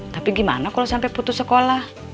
tapi gimana kalau sampai putus sekolah